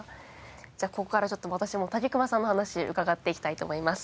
じゃあここからちょっと私も武隈さんの話伺っていきたいと思います。